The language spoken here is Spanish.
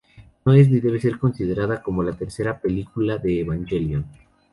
No es ni debe ser considerada como la tercera película de "Evangelion".